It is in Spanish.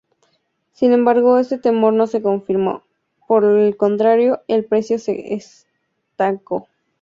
Sin embargo, este temor no se confirmó, por el contrario el precio se estancó.